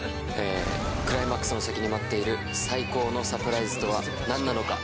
クライマックスの先に待っている最高のサプライズとは何なのか？